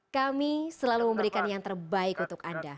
kami selalu memberikan yang terbaik untuk anda